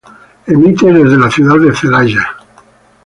Emite desde la Ciudad de Celaya.